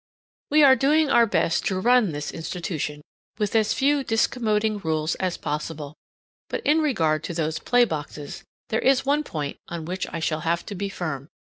We are doing our best to run this institution with as few discommoding rules as possible, but in regard to those play boxes there is one point on which I shall have to be firm.